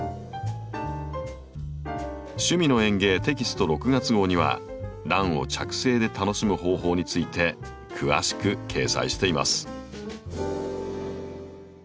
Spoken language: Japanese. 「趣味の園芸」テキスト６月号にはランを着生で楽しむ方法について詳しく掲載しています。